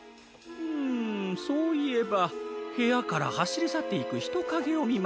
うんそういえばへやからはしりさっていくひとかげをみました。